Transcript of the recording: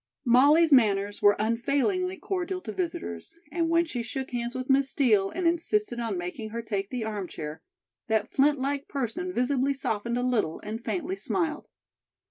Molly's manners were unfailingly cordial to visitors, and when she shook hands with Miss Steel and insisted on making her take the armchair, that flint like person visibly softened a little and faintly smiled.